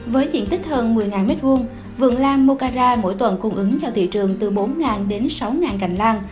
với diện tích hơn một mươi m hai vườn lan mokara mỗi tuần cung ứng cho thị trường từ bốn đến sáu cành lan